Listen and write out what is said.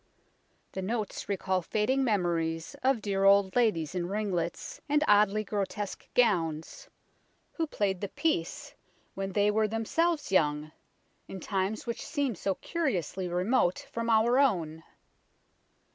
The notes recall fading memories of dear old ladies in ringlets and oddly grotesque gowns who played the piece when they were themselves young, in times which seem so curiously remote from our own.